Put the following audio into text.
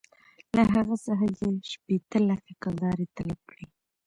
له هغه څخه یې شپېته لکه کلدارې طلب کړې.